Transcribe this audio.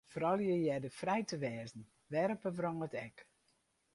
Froulju hearre frij te wêze, wêr op 'e wrâld ek.